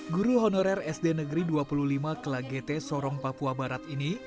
guru honorer sd negeri dua puluh lima kela gt sorong papua barat ini